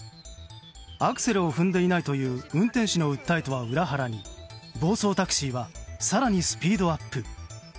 アクセルを踏んでいないという運転手の訴えとは裏腹に暴走タクシーは更にスピードアップ。